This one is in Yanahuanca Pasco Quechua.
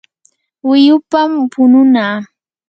wiyupam pununaa.